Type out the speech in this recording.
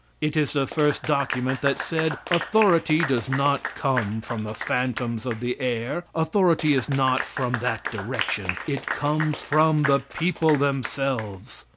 It is the first document that said authority does not come from the phantoms of the air; authority is not from that direction; it comes from the people themselves.